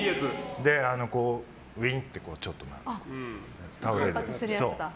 ウィーンってちょっと倒れる。